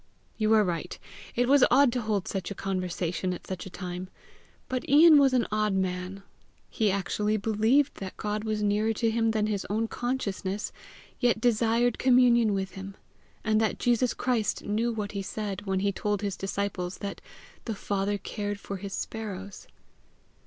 You are right: it was odd to hold such a conversation at such a time! But Ian was an odd man. He actually believed that God was nearer to him than his own consciousness, yet desired communion with him! and that Jesus Christ knew what he said when he told his disciples that the Father cared for his sparrows.